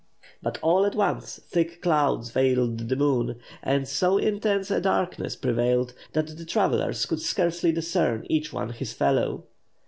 But all at once thick clouds veiled the moon, and so intense a darkness prevailed that the travellers could scarcely discern each one his fellow.